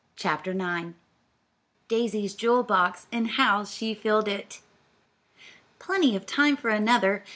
DAISY'S JEWEL BOX, AND HOW SHE FILLED IT "Plenty of time for another.